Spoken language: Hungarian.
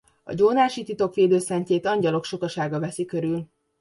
A gyónási titok védőszentjét angyalok sokasága veszi körül.